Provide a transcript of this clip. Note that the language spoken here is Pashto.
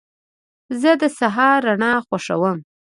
زه د سهار رڼا خوښوم.